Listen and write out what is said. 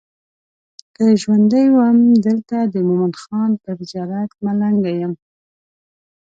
که ژوندی وم دلته د مومن خان پر زیارت ملنګه یم.